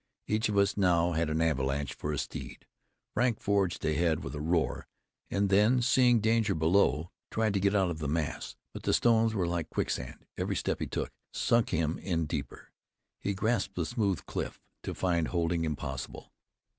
Each of us now had an avalanche for a steed. Frank forged ahead with a roar, and then seeing danger below, tried to get out of the mass. But the stones were like quicksand; every step he took sunk him in deeper. He grasped the smooth cliff, to find holding impossible.